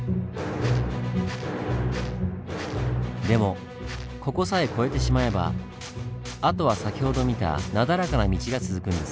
でもここさえ越えてしまえばあとは先ほど見たなだらかな道が続くんですねぇ。